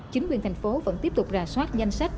chính quyền thành phố vẫn tiếp tục rà soát danh sách